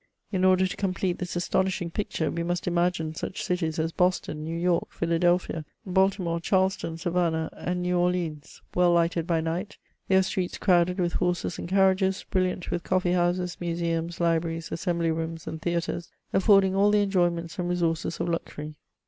In order to complete this astonishing picture, we must imagine such cities as Boston, New York, Philadelphia, Baltimore, Charlestown, Savannah, and New Orleans, well lighted by night, their streets crowded with horses and carriages, brilliant with coffee houses, museums, libraries, assembly rooms, and theatres, afford ing all the enjoyments and resources of luxury.